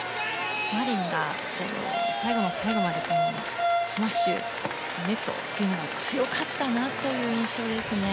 マリンが最後の最後までスマッシュ、ネットというのが強かったなという印象ですね。